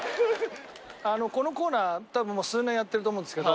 このコーナーたぶんもう数年やってると思うんですけど。